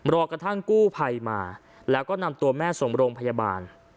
รอกระทั่งกู้ภัยมาแล้วก็นำตัวแม่ส่งโรงพยาบาล